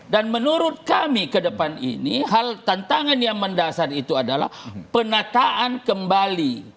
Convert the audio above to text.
dan menurut kami ke depan ini hal tantangan yang mendasar itu adalah penataan kembali